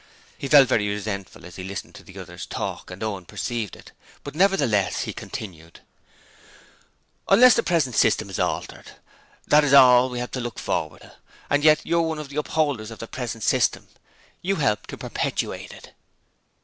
He felt very resentful as he listened to the other's talk, and Owen perceived it, but nevertheless he continued: 'Unless the present system is altered, that is all we have to look forward to; and yet you're one of the upholders of the present system you help to perpetuate it!'